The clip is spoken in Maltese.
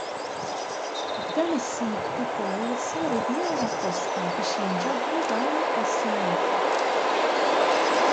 F'dan is-sit ukoll saru bjar apposta biex jinġabru dawn il-gassijiet.